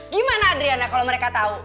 gimana adriana kalau mereka tahu